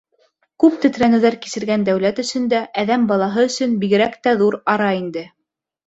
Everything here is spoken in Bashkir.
Күп тетрәнеүҙәр кисергән дәүләт өсөн дә, әҙәм балаһы өсөн бигерәк тә ҙур ара инде.